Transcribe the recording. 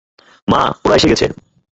মা, ওরা এসে গেছে।